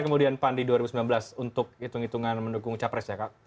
kemudian pan di dua ribu sembilan belas untuk hitung hitungan mendukung capres ya kak